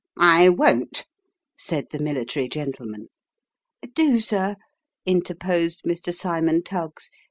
" I won't," said the military gentleman. " Do, sir," interposed Mr. Cymon Tuggs.